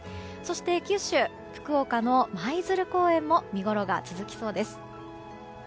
そして、九州福岡の舞鶴公園も見ごろが続きそうです。